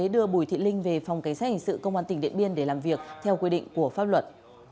đưa bùi thị linh về phòng cảnh sát hình sự công an tỉnh điện biên để làm việc theo quy định của pháp luật